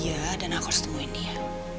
aku harus cari dia dan aku harus temuin dia